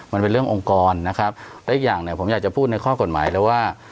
มันเป็นเรื่ององค์กรนะครับและอีกอย่างเนี่ยผมอยากจะพูดในข้อกฎหมายแล้วว่า